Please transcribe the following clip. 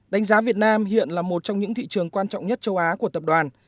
đánh giá việt nam hiện là một trong những thị trường quan trọng nhất châu á của tập đoàn